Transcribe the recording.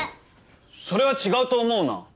それは違うと思うな。